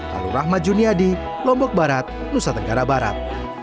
lalu rahmat juniadi lombok barat nusa tenggara barat